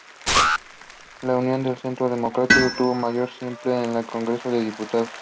La Unión de Centro Democrático obtuvo mayoría simple en el Congreso de los Diputados.